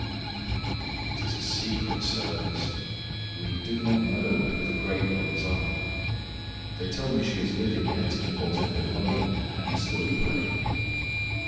Ah! It is a secret service. We do not know who the great ones are. They tell me she is living yet in the north end of London, and still praying.